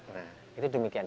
nah itu demikian